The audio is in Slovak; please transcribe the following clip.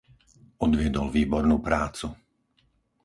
Odviedol výbornú prácu.